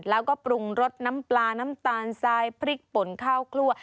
แล้วก็ปรุงรสน้ำปลาน้ำตาลทรายพริกป่นข้าวคลั่ว